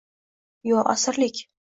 yo asirlik